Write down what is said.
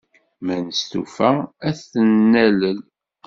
Ma nestufa, ad t-nalel.